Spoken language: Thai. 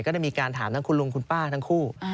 ได้มีการถามทั้งคุณลุงคุณป้าทั้งคู่